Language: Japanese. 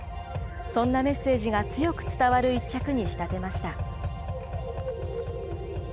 そんなメッセージが強く伝わる一着に仕立てました。